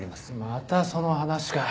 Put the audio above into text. またその話か。